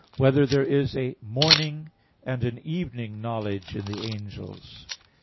6] Whether There Is a "Morning" and an "Evening" Knowledge in the Angels?